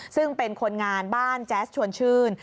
ซึ่งเป็นคนงานบ้านแจ๊สชวนชื่น